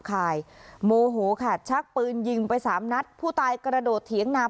คายโมโหค่ะชักปืนยิงไปสามนัดผู้ตายกระโดดเถียงนา